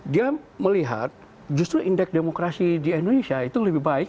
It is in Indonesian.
dia melihat justru indeks demokrasi di indonesia itu lebih baik